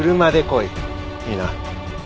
いいな。